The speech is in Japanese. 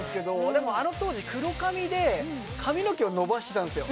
でもあの当時黒髪で髪の毛を伸ばしてたんですよ。